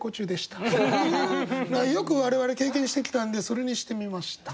よく我々経験してきたんでそれにしてみました。